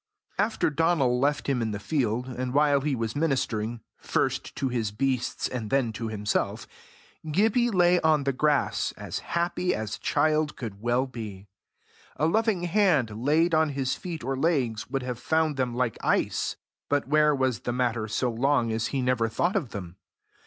After Donal left him in the field, and while he was ministering, first to his beasts and then to himself, Gibbie lay on the grass, as happy as child could well be. A loving hand laid on his feet or legs would have found them like ice; but where was the matter so long as he never thought of them?